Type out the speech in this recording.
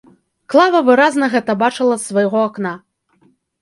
Клава выразна гэта бачыла з свайго акна.